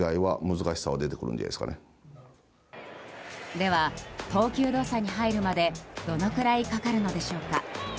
では投球動作に入るまでどのくらいかかるのでしょうか。